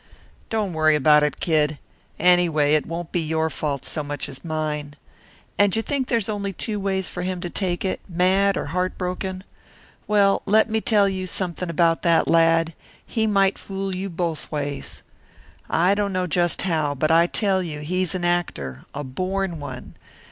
"Don't worry about it, Kid. Anyway, it won't be your fault so much as mine. And you think there's only two ways for him to take it, mad or heart broken? Well, let me tell you something about that lad he might fool you both ways. I don't know just how, but I tell you he's an actor, a born one.